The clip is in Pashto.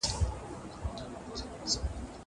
هغه وويل چي کتابتوني کار مهم دي.